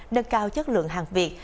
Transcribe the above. nâng cao chất lượng hàng việt